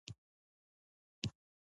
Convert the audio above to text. سپي د شپې په تیاره کې د کلا ساتنه وکړه.